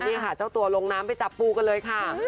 นี่ค่ะเจ้าตัวลงน้ำไปจับปูกันเลยค่ะ